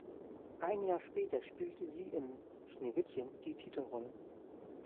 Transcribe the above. Ein Jahr später spielte sie in "Schneewittchen" die Titelrolle.